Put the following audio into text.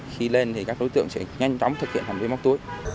khi lên thì các đối tượng sẽ nhanh chóng thực hiện hành vi móc túi